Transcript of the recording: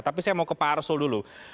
tapi saya mau ke pak arsul dulu